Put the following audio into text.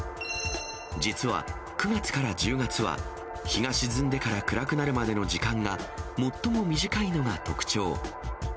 実は９月から１０月は、日が沈んでから暗くなるまでの時間が最も短いのが特徴。